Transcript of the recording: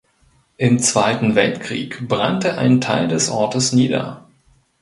Im Zweiten Weltkrieg brannte ein Teil des Ortes nieder.